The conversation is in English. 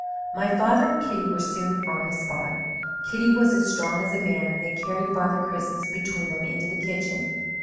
"My father and Kitty were soon on the spot. Kitty was as strong as a man; and they carried Father Christmas between them into the kitchen.